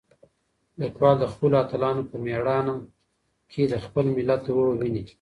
لیکوال د خپلو اتلانو په مېړانه کې د خپل ملت روح وینه.